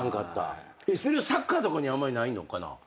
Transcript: それはサッカーとかにはあんまりないのかな？